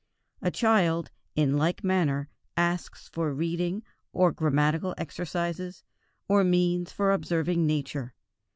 A child, in like manner, asks for reading, or grammatical exercises, or means for observing Nature.